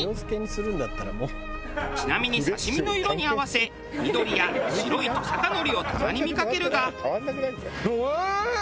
ちなみに刺身の色に合わせ緑や白いトサカノリをたまに見かけるが。